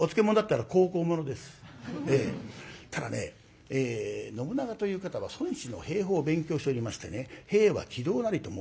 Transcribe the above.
ただね信長という方は孫子の兵法を勉強しておりましてね「兵は詭道なり」と申しまして。